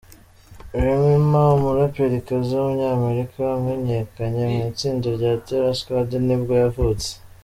Remy Ma, umuraperikazi w’umunyamerika wamenyekanye mu itsinda rya Terror Squad ni bwo yavutse.